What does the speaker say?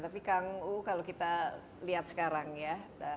tapi kang uu kalau kita lihat sekarang ya